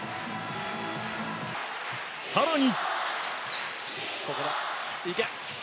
更に。